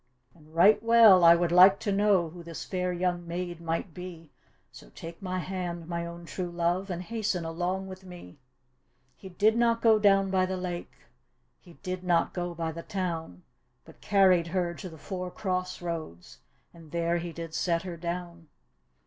" And right well I would like to know Who this fair young maid might be, So take my hand, my own true love, And hasten along with me," He did not go down by the lake He did not go by the town, But carried her to the four cross roads, And there he did set her down.